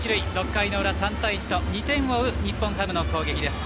６回の裏、３対１と２点を追う日本ハムの攻撃です。